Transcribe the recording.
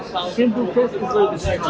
tapi dengan kombinasi daging tidak ada masalah